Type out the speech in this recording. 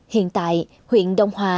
hiện tại huyện đông hòa